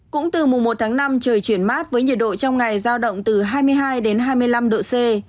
cũng từ mùa một tháng năm trời chuyển mát với nhiệt độ trong ngày giao động từ hai mươi hai đến hai mươi năm độ c